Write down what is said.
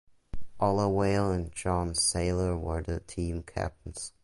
Olawale and John Seiler were the team captains.